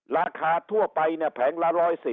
ราคาทั่วไปเนี่ยแผงละ๑๔๐